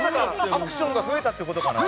アクションが増えたということかな。